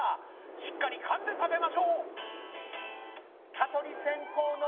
しっかりかんでたべましょう！